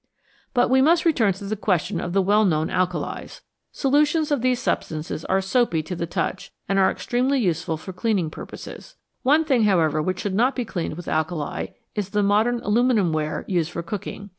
But we must return to the question of the well known alkalis. Solutions of these substances are soapy to the touch, and are extremely useful for cleaning purposes. One thing, however, which should not be cleaned with alkali is the modern aluminium ware used for cooking.